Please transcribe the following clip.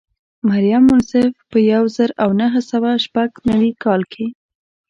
مریم منصف په یو زر او نهه سوه شپږ نوي کال کې.